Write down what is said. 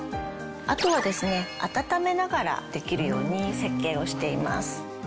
あとはですね温めながらできるように設計をしています。